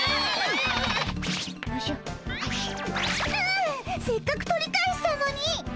あせっかく取り返したのにっ！